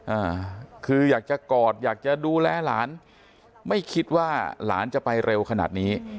อ่าคืออยากจะกอดอยากจะดูแลหลานไม่คิดว่าหลานจะไปเร็วขนาดนี้